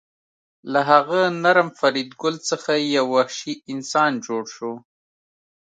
له هغه نرم فریدګل څخه یو وحشي انسان جوړ شو